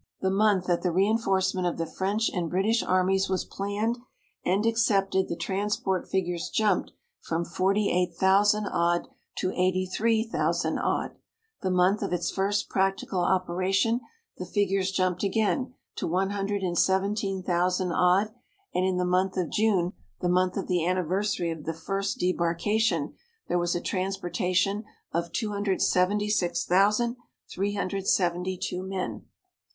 The month that the reinforcement of the French and British Armies was planned and accepted the transport figures jumped from forty eight thousand odd to eighty three thousand odd. The month of its first practical operation the figures jumped again to one hundred and seventeen thousand odd, and in the month of June, the month of the anniversary of the first debarkation, there was a transportation of 276,372 men.